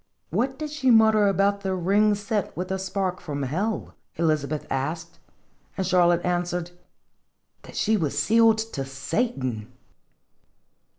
"What did she mutter about a ring set with a spark from hell? " Elizabeth asked. And Charlotte answered: " That she was sealed to Satan